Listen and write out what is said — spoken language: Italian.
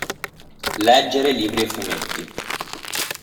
Leggere libri e fumetti.